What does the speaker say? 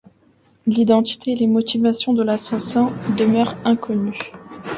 L'identité et les motivations de l'assassin demeurent inconnues.